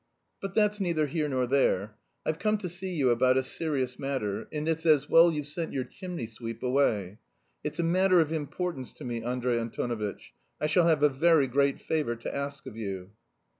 But that's neither here nor there; I've come to see you about a serious matter, and it's as well you've sent your chimney sweep away. It's a matter of importance to me, Andrey Antonovitch. I shall have a very great favour to ask of you."